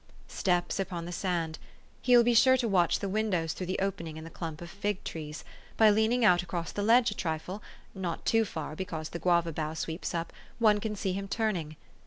Steps upon the sand. He will be sure to watch the windows through the opening in the clump of fig trees. By leaning out across the ledge a trifle, not too far, because the guava bough sweeps up, one can see him turning.